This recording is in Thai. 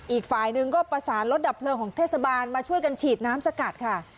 อีกฝ่ายหนึ่งก็ประสานรถดับเพลิงของเทศบาลมาช่วยกันฉีดน้ำสกัดค่ะ